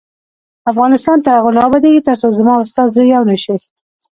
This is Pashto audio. افغانستان تر هغو نه ابادیږي، ترڅو زما او ستا زړه یو نشي.